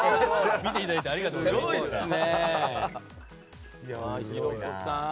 見ていただいてありがとうございました。